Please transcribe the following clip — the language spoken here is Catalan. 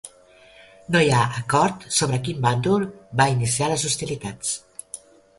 No hi ha acord sobre quin bàndol va iniciar les hostilitats.